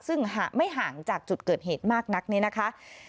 ซึ่งไม่ห่างจากจุดเกิดเหตุมากนักเนี่ยนะคะ